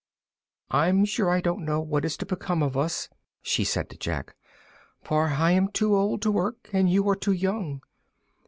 "I'm sure I don't know what is to become of us," she said to Jack, "for I am too old to work, and you are too young."